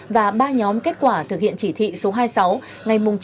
và ba nhóm kết quả thực hiện chỉ thị số hai mươi sáu ngày